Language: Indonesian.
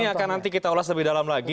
ini akan nanti kita ulas lebih dalam lagi